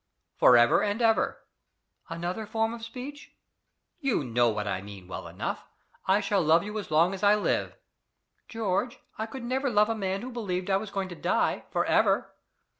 "For ever and ever." "Another form of speech?" "You know what I mean well enough. I shall love you as long as I live." "George, I never could love a man who believed I was going to die for ever."